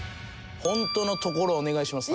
本当のところをお願いします